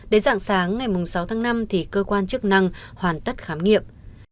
đến dạng sáng ngày sáu tháng năm thì cơ quan chức năng hoàn tất khám nghiệm